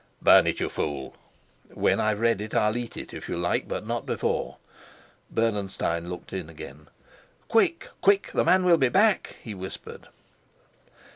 "Burn it, you fool." "When I've read it I'll eat it, if you like, but not before." Bernenstein looked in again. "Quick, quick! The man will be back," he whispered.